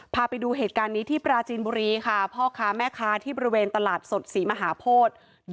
พาไปดูเหตุการณ์นี้ที่ปราจีนบุรีค่ะพ่อค้าแม่ค้าที่บริเวณตลาดสดศรีมหาโพธิ